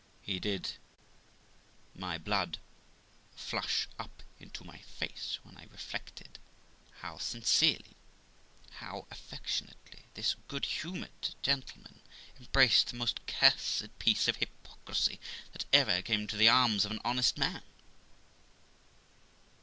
How did my blood flush up into my face when I reflected how sincerely, how affection ately, this good humoured gentleman embraced the most cursed piece of hypocrisy that ever came into the arms of an honest man